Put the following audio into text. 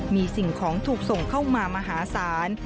มีสิ่งของถูกส่งเข้ามามหาศาล